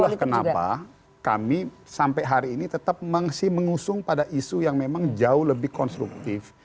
itulah kenapa kami sampai hari ini tetap mengusung pada isu yang memang jauh lebih konstruktif